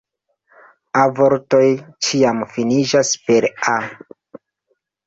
A-vortoj ĉiam finiĝas per "-a".